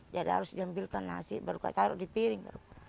jadi harus diambilkan nasi baru taruh di piring